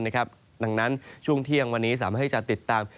ดังนั้นช่วงเที่ยงวันนี้สามารถให้จะติดตาม